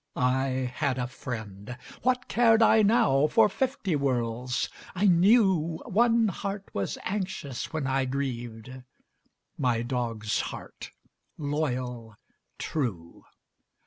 I had a friend; what cared I now For fifty worlds? I knew One heart was anxious when I grieved My dog's heart, loyal, true.